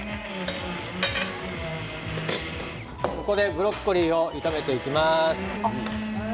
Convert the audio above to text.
ブロッコリーを炒めていきます。